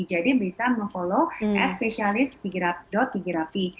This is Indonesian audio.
jadi bisa meng follow at specialist tigirapi